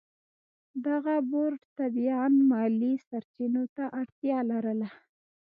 دغه بورډ طبعاً مالي سرچینو ته اړتیا لرله.